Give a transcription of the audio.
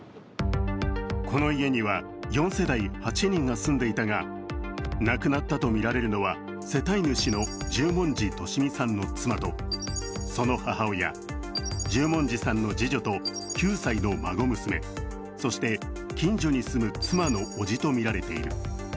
この家には４世帯８人が住んでいたが亡くなったとみられるのは世帯主の十文字利美さんの妻と、その母親、十文字さんの次女と９歳の孫娘そして近所に住む妻の伯父とみられている。